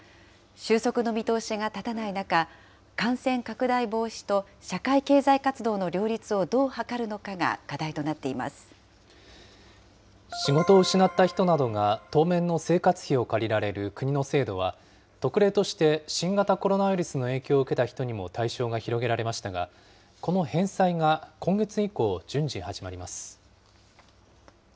収束の見通しが立たない中、感染拡大防止と社会経済活動の両立をどう図るのかが課題となって仕事を失った人などが、当面の生活費を借りられる国の制度は、特例として新型コロナウイルスの影響を受けた人にも対象が広げられましたが、この返済が、今月以降、順次始まります。